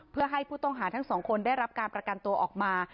เพื่อให้ผู้ต้องหาทั้งสองคนได้รับการประกันตัวออกมา